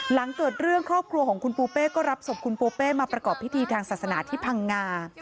หลังเกิดเรื่องครอบครัวของคุณปูเป้ก็รับศพคุณปูเป้มาประกอบพิธีทางศาสนาที่พังงา